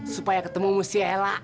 supaya ketemu mu si ella